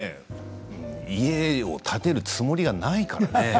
そうね家を建てるつもりがないからね